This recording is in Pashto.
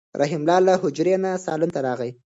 رحیم له حجرې نه صالون ته راغی.